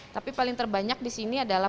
tapi paling terbanyak di sini adalah